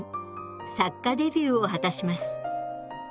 作家デビューを果たします。